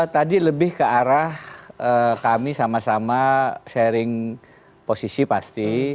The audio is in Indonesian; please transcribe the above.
tadi lebih ke arah kami sama sama sharing posisi pasti